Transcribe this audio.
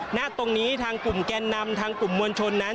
ณตรงนี้ทางกลุ่มแกนนำทางกลุ่มมวลชนนั้น